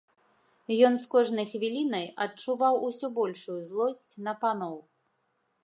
Ён з кожнай хвілінай адчуваў усё большую злосць на паноў.